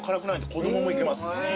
子供もいけます。